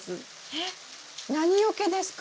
えっ何よけですか？